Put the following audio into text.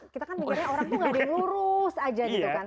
kita kan mikirnya orang tuh gak ada yang lurus aja gitu kan